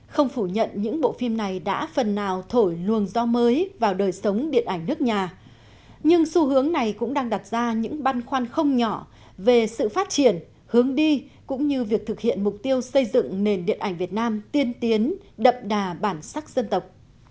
không phủ nhận những bộ phim này đã phần nào thổi luồng gió mới vào đời sống điện ảnh nước nhà nhưng xu hướng này cũng đang đặt ra những băn khoăn không nhỏ về sự phát triển hướng đi cũng như việc thực hiện mục tiêu xây dựng nền điện ảnh việt nam tiên tiến đậm đà bản sắc dân tộc